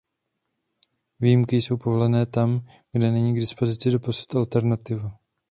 Výjimky jsou povolené tam, kde není k dispozici doposud alternativa.